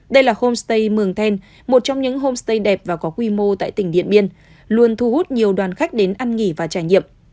đây là homestay mường then một trong những homestay đẹp và có quy mô tại tỉnh điện biên luôn thu hút nhiều đoàn khách đến ăn nghỉ và trải nghiệm